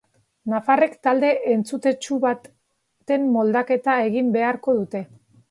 Nafarrek talde entzutetsu baten moldaketa egin beharko dute.